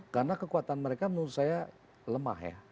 karena kekuatan mereka menurut saya lemah ya